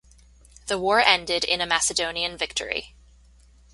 The war ended in a Macedonian victory.